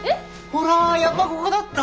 ほらやっぱこごだった！